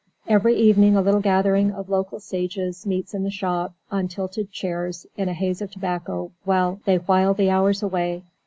Every evening a little gathering of local sages meets in the shop; on tilted chairs, in a haze of tobacco, they while the hours away.